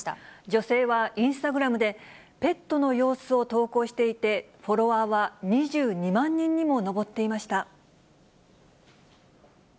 女性は、インスタグラムで、ペットの様子を投稿していて、フォロワーは２２万人にも上っていました。